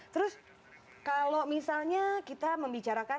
terus kalau misalnya kita membicarakan